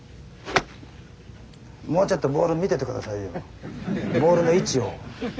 もうちょっとボール見てて下さいよボールの位置を。